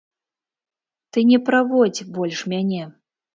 Ты не праводзь больш мяне.